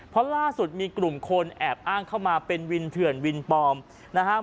เพราะล่าสุดมีกลุ่มคนแอบอ้างเข้ามาเป็นวินเถื่อนวินปลอมนะครับ